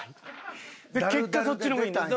結果そっちの方がいいんです。